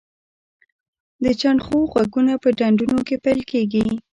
د چنډخو غږونه په ډنډونو کې پیل کیږي